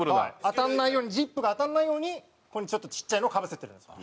当たんないようにジップが当たんないようにここにちょっとちっちゃいのをかぶせてるんです。